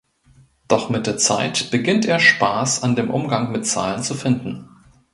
Doch mit der Zeit beginnt er Spaß an dem Umgang mit Zahlen zu finden.